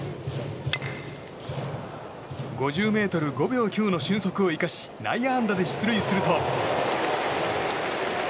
５０ｍ、５秒９の俊足を生かし内野安打で出塁すると。